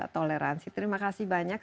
toleransi terima kasih banyak